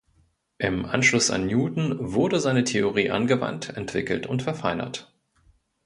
Im Anschluss an Newton wurde seine Theorie angewandt, entwickelt und verfeinert.